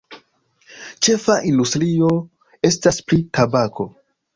Ĉefa industrio estas pri tabako.